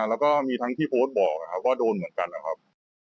แล้วก็มีทั้งที่โพสต์บอกว่าโดนเหมือนกันนะครับ